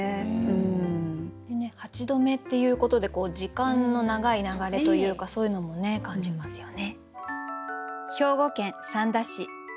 「八度目」っていうことで時間の長い流れというかそういうのも感じますよね。